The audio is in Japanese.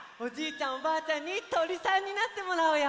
おばあちゃんにとりさんになってもらおうよ！